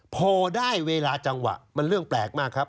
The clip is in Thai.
พอได้เวลาจังหวะมันเรื่องแปลกมากครับ